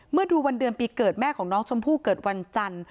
ดูวันเดือนปีเกิดแม่ของน้องชมพู่เกิดวันจันทร์